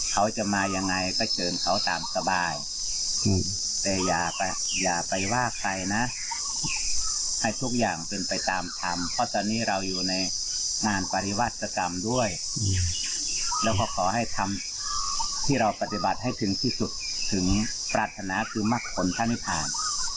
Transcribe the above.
ปัจจิบัติให้ถึงที่สุดถึงปรารถนาคือมักขนท่านิทาน